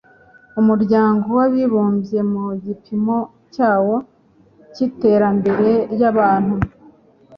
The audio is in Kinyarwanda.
Umuryango w Abibumbye mu gipimo cyawo k iterambere ry abantu